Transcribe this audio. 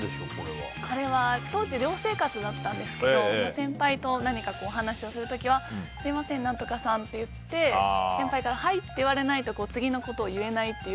これは当時寮生活だったんですけど先輩と何か話をする時はすみません、何とかさんと言って先輩から、はいって言われないと次のことを言えないっていう。